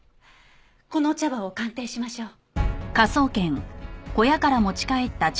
この茶葉を鑑定しましょう。